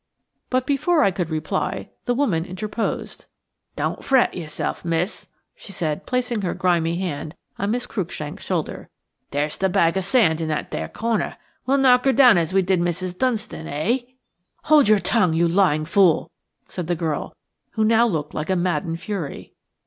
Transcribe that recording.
But before I could reply the woman had interposed. "Don't you fret yourself, miss," she said, placing her grimy hand on Miss Cruikshank's shoulder. "There's the bag of sand in that there corner; we'll knock 'er down as we did Mrs. Dunstan–eh?" "Hold your tongue, you lying fool!" said the girl, who now looked like a maddened fury.